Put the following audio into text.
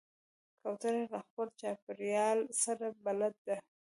کوتره له خپل چاپېریال سره بلد ده.